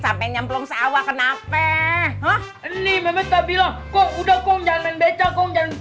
sampai nyemplung sawah kenapa hah ini memang tak bilang kok udah kong jangan beca kong jangan